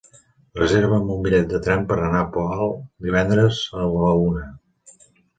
Reserva'm un bitllet de tren per anar al Poal divendres a la una.